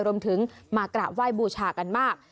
รวมถึงมากราบไหว้บูชากันมาก